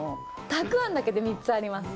たくあんだけで３つあります。